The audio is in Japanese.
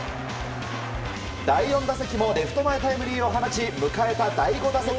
第４打席もレフト前タイムリーを放ち迎えた、第５打席。